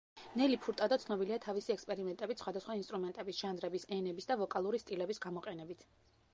ნელი ფურტადო ცნობილია თავისი ექსპერიმენტებით სხვადასხვა ინსტრუმენტების, ჟანრების, ენების და ვოკალური სტილების გამოყენებით.